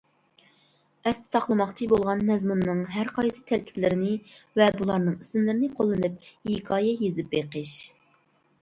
ئەستە ساقلىماقچى بولغان مەزمۇننىڭ ھەرقايسى تەركىبلىرىنى ۋە بۇلارنىڭ ئىسىملىرىنى قوللىنىپ ھېكايە يېزىپ بېقىش.